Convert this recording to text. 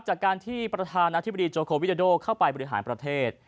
จากการที่ประธานาธิบดีโจโควิเดโดเข้าไปบริหารประเทศ